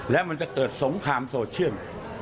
และมันจะเกิดสงครามโซเชียล